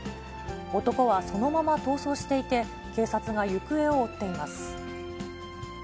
男はそのまま逃走していて、警察が行方を追っています。